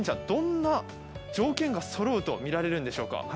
どんな条件がそろうと見せるんでしょうか？